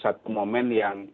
satu momen yang